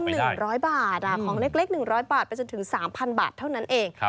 เริ่ม๑๐๐บาทของเล็ก๑๐๐บาทไปจนถึง๓๐๐๐บาทเท่านั้นเอง